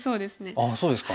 あっそうですか。